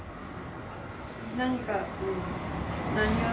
何か。